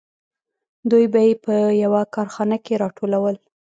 دوی به یې په یوه کارخانه کې راټولول